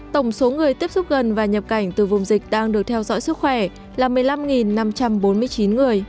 tổng số người tiếp xúc gần và nhập cảnh từ vùng dịch đang được theo dõi sức khỏe là một mươi năm năm trăm bốn mươi chín người